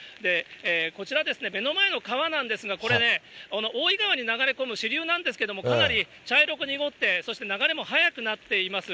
こちら、目の前の川なんですが、これね、おおい川に流れ込む支流なんですけれども、かなり茶色く濁って、そして流れも速くなっています。